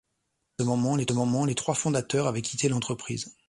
À ce moment, les trois fondateurs avaient quitté l'entreprise.